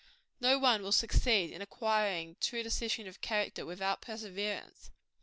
No one will succeed in acquiring true decision of character, without perseverance.